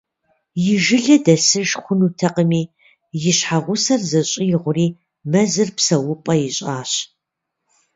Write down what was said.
И жылэ дэсыж хъунутэкъыми, и щхьэгъусэр зыщӏигъури, мэзыр псэупӏэ ищӏащ.